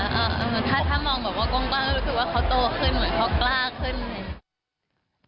ถ้ามองกว้างตั้งก็รู้สึกว่าเขาโตขึ้นเหมือนเขากล้าขึ้น